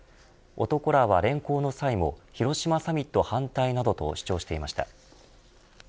男らは連行の際も広島サミット反対などと主張していました。